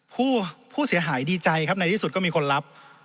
ผู้เสียหายดีใจครับในที่สุดก็มีคนรับ